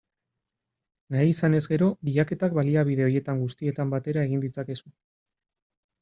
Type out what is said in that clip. Nahi izanez gero, bilaketak baliabide horietan guztietan batera egin ditzakezu.